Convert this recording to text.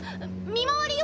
見回りよ。